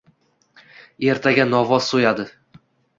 Ertaga novvos soʻyadi.